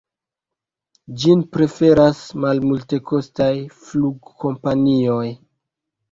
Ĝin preferas malmultekostaj flugkompanioj.